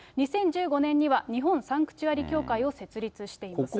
２０１５年には日本サンクチュアリ教会を設立しています。